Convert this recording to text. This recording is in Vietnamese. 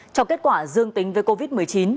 cho kết quả dương tính với covid một mươi chín